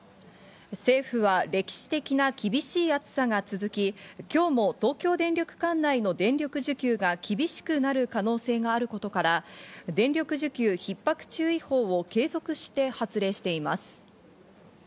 政府は歴史的な厳しい暑さが続き、今日も東京電力管内の電力需給が厳しくなる可能性があることから、電力需給ひっ迫注意報を継続して発令しています。